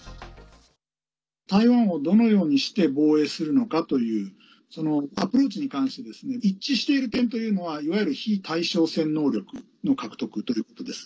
台湾をどのようにして防衛するのかというアプローチに関して一致している点というのはいわゆる非対称戦能力の獲得ということです。